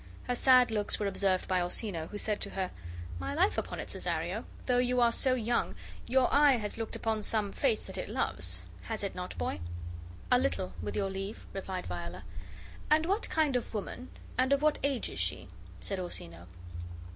Her sad looks were observed by Orsino, who said to her: "My life upon it, Cesario, though you are so young, your eye has looked upon some face that it loves. Has it not, boy?" "A little, with your leave," replied Viola. "And what kind of woman, and of what age is she?" said Orsino.